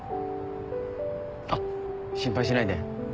あっ心配しないで。